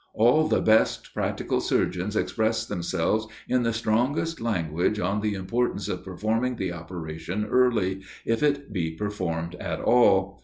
All the best practical surgeons express themselves in the strongest language on the importance of performing the operation early, if it be performed at all.